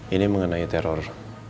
ini mengenai teror